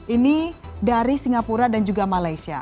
ini dari singapura dan juga malaysia